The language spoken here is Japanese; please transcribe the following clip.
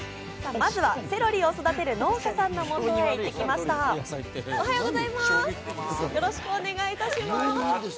まずはセロリを育てる農家さんのもとに行ってきました。